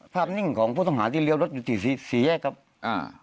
นิ่งของผู้ต้องหาที่เลี้ยวรถอยู่ที่สี่สี่แยกครับอ่า